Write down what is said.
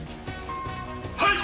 はい！